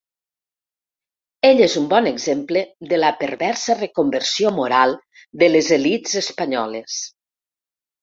Ell és un bon exemple de la perversa reconversió moral de les elits espanyoles.